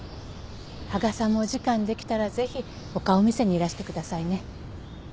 羽賀さんもお時間できたらぜひお顔を見せにいらしてくださいね。